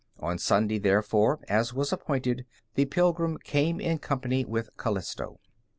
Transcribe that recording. On Sunday, therefore, as was appointed, the pilgrim came in company with Calisto.